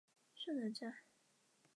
后于嘉靖三十九年时遭到裁撤。